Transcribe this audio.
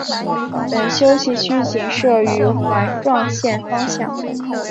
本休息区仅设于环状线方向。